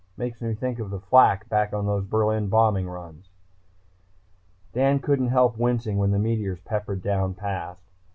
Makes me think of flak back on those Berlin bombing runs." Dan couldn't help wincing when the meteors peppered down past.